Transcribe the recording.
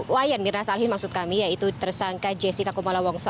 wayan mirna salihin maksud kami yaitu tersangka jessica kumala wongso